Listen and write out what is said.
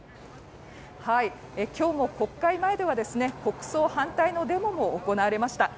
今日も国会前では国葬反対のデモも行われました。